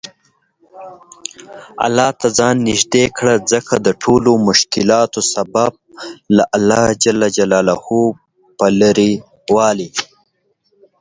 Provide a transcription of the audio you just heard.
الله ته ځان نیژدې کړه ځکه دټولومشکلاتو سبب له الله ج په لرې والي